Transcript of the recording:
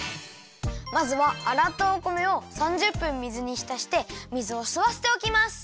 まずはあらったお米を３０分水にひたして水をすわせておきます。